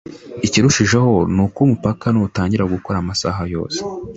Ikirushijeho ni uko umupaka nutangira gukora amasaha yose